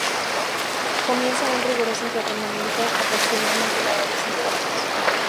Comienzan un riguroso entrenamiento aproximadamente a la edad de cinco años.